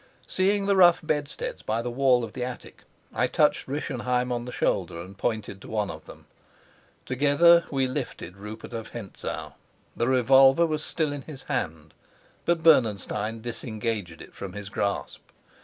Seeing the rough bedsteads by the wall of the attic, I touched Rischenheim on the shoulder and pointed to one of them. Together we lifted Rupert of Hentzau. The revolver was still in his hand, but Bernenstein disengaged it from his grasp.